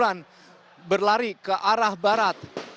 kendaraan berlari ke arah barat